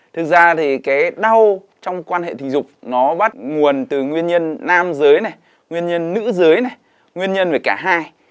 thực ra thì cái đau trong quan hệ tình dục nó bắt nguồn từ nguyên nhân nam giới này nguyên nhân nữ giới này nguyên nhân về cả hai